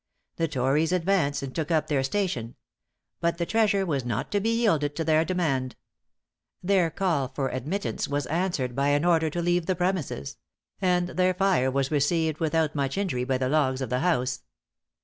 The tories advanced, and took up their station; but the treasure was not to be yielded to their demand. Their call for admittance was answered by an order to leave the premises; and their fire was received without much injury by the logs of the house.